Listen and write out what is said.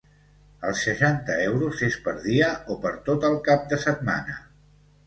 Els seixanta euros es per dia o per tot el cap de setmana?